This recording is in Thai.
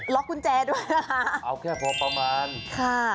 ล็อกกุญแจด้วยค่ะ